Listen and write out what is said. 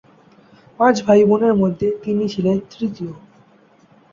পাঁচ ভাইবোনের মধ্যে তিনি ছিলেন তৃতীয়।